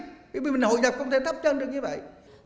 vì mình hội giả không thể thắp chân được như vậy